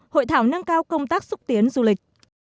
hội thảo nâng cao công tác xúc tiến du lịch